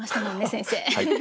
先生。